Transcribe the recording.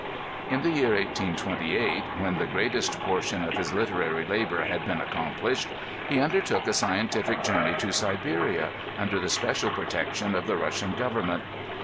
In the year 1828, when the greatest portion of his literary labor had been accomplished, he undertook a scientific journey to Siberia, under the special protection of the Russian govern ment.